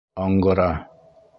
Аңғыра!